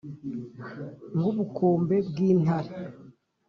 nk’ubukombe bw’intare